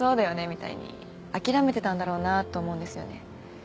みたいに諦めてたんだろうなーと思うんですよね